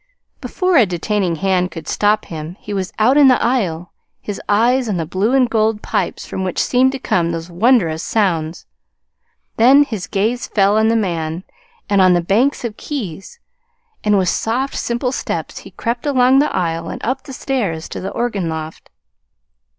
Before a detaining hand could stop him, he was out in the aisle, his eyes on the blue and gold pipes from which seemed to come those wondrous sounds. Then his gaze fell on the man and on the banks of keys; and with soft steps he crept along the aisle and up the stairs to the organ loft.